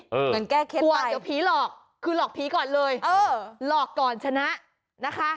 เหมือนแก้เคล็ดไปควรจะผีหลอกคือหลอกผีก่อนเลยหลอกก่อนชนะนะคะ